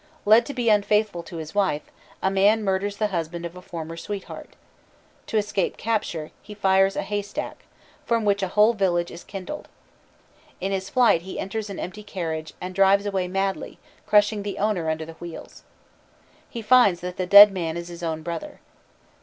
Led to be unfaithful to his wife, a man murders the husband of a former sweetheart; to escape capture he fires a haystack, from which a whole village is kindled. In his flight he enters an empty carriage, and drives away madly, crushing the owner under the wheels. He finds that the dead man is his own brother.